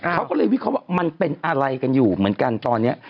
เขาก็เลยวิเคราะห์ว่ามันเป็นอะไรกันอยู่เหมือนกันตอนนี้